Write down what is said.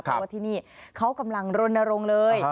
เพราะว่าที่นี่เขากำลังรณรงค์เลย